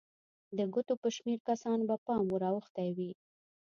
د ګوتو په شمېر کسانو به پام ور اوښتی وي.